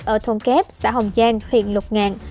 ở thôn kép xã hồng giang huyện lục ngàn